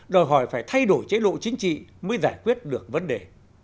đòi hỏi phải thay đổi chế độ chính trị mới giải quyết được vấn đề